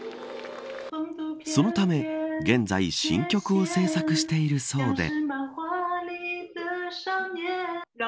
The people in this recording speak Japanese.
そのため現在、新曲を制作しているそうで。